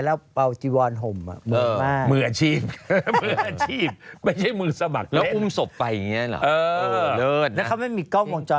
แล้วเป่าจิวอนห่มเหมือนมาก